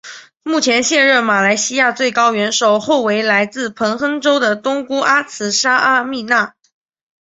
目前现任马来西亚最高元首后为来自彭亨州的东姑阿兹纱阿蜜娜。